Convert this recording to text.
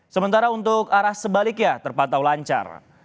sementara untuk arah sebaliknya terpantau lancar